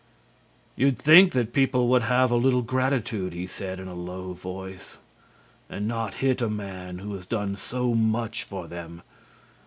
"You'd think that people would have a little gratitude," he said in a low voice, "and not hit at a man who has done so much for them.